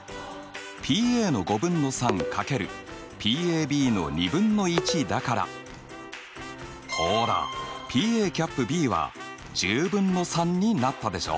Ｐの５分の３掛けるＰの２分の１だからほらＰは１０分の３になったでしょ？